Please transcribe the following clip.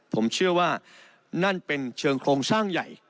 ผมเชื่อว่านั่นเป็นเชิงโครงสร้างใหญ่